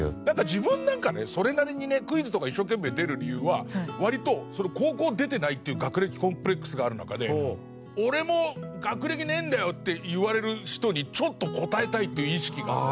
自分なんかねそれなりにねクイズとか一生懸命出る理由は割と高校出てないっていう学歴コンプレックスがある中で「俺も学歴ねえんだよ」って言われる人にちょっと応えたいっていう意識がある。